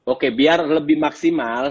oke biar lebih maksimal